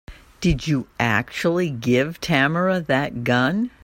Did you actually give Tamara that gun?